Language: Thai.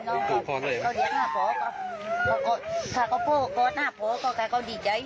โอ้โฮโอ้โฮ